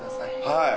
はい。